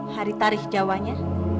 hari tarikh jawanya